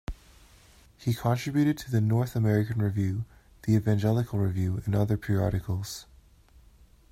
He contributed to the "North American Review", the "Evangelical Review" and other periodicals.